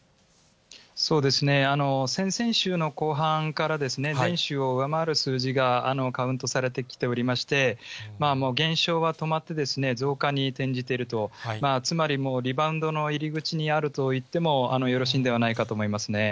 そうですね、先々週の後半からですね、前週を上回る数字がカウントされてきておりまして、減少は止まって、増加に転じていると、つまりもうリバウンドの入り口にあると言ってもよろしいんではな